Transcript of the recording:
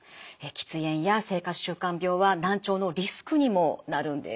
喫煙や生活習慣病は難聴のリスクにもなるんです。